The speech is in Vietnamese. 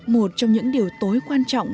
một trong những điều tối quan trọng